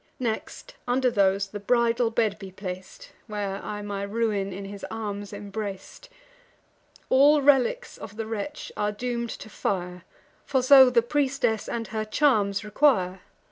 Next, under these, the bridal bed be plac'd, Where I my ruin in his arms embrac'd: All relics of the wretch are doom'd to fire; For so the priestess and her charms require."